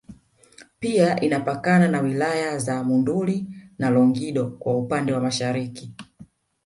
Pia inapakana na wilaya za Monduli na Longido kwa upande wa Mashariki